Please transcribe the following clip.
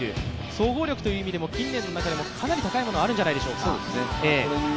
総合力という意味でも近年の中でもかなり高いものがあるんじゃないでしょうか。